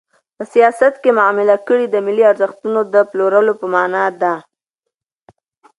په سیاست کې معامله ګري د ملي ارزښتونو د پلورلو په مانا ده.